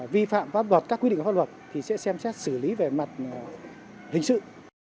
vi phạm pháp luật các quy định của pháp luật thì sẽ xem xét xử lý về mặt hình sự